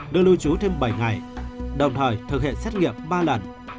đưa lưu trú thêm bảy ngày đồng thời thực hiện xét nghiệm ba lần